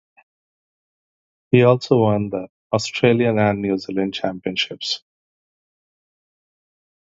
He also won the Australian and New Zealand championships.